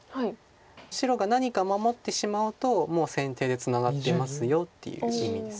白が何か守ってしまうともう先手でツナがってますよっていう意味です。